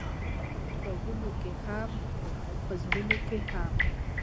په کتابونو کښې هم او په زړونو کښې هم-